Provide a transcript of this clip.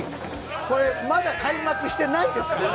これ、まだ開幕してないですから。